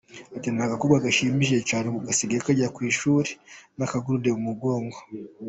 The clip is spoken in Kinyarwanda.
Ati “Ni agakobwa gashimishije cyane, ubu kajya ku ishuri katebeje n’akagurude mu mugongo.